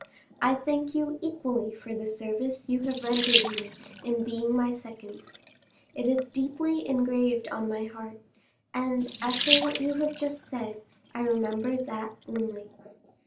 I thank you equally for the service you have rendered me in being my seconds. It is deeply engraved on my heart, and, after what you have just said, I remember that only."